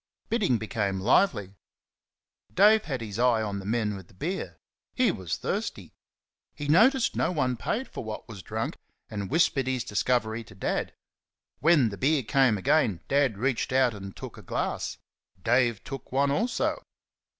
Bidding became lively. Dave had his eye on the men with the beer he was thirsty. He noticed no one paid for what was drunk, and whispered his discovery to Dad. When the beer came again, Dad reached out and took a glass. Dave took one also.